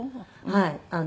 はい。